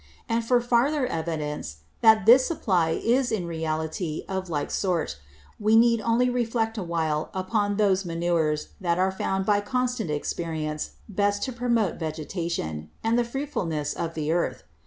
And for farther Evidence that this Supply is in reality of like sort, we need only reflect a while upon those Manures that are found by constant Experience best to promote Vegetation, and the Fruitfulness of the Earth.